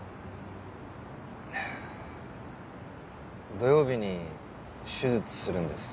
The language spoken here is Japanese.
土曜日に手術するんです。